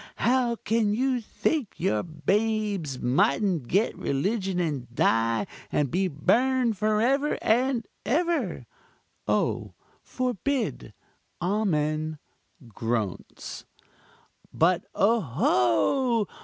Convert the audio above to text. how can you think your babes mightn't get religion and die and be burned for ever and ever? (O! forbid amen groans.) But, oho!